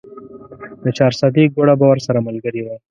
د چارسدې ګوړه به ورسره ملګرې وه.